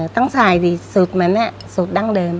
ต้องใส่สูตรเหมือนเนี่ยสูตรดั้งเดิม